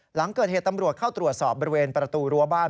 หลังเกิดเหตุตำรวจเข้าตรวจสอบบริเวณประตูรั้วบ้าน